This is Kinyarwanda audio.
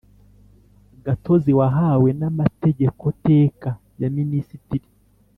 gatozi wahawe n Amategekoteka ya Minisitiri